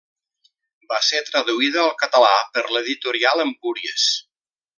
Va ser traduïda al català per l'editorial Empúries.